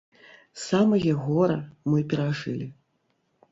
Самае гора мы перажылі.